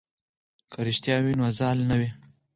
که رښتیا وي نو زال نه وي.